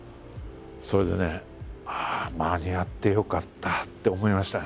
それでね「ああ間に合ってよかった」って思いましたね。